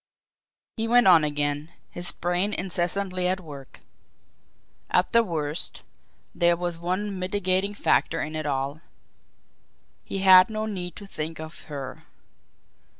He went on again his brain incessantly at work. At the worst, there was one mitigating factor in it all. He had no need to think of her.